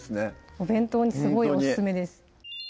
お弁当にすごいオススメです